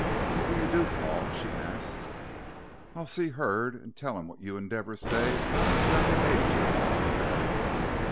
"What will you do, Paul?" she asked. "I'll see Hurd and tell him what you and Deborah say about the age of Maud Krill."